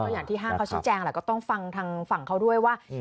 อย่างที่ห้างเขาแสดงต้องฟังทางฝั่งเขาด้วยว่า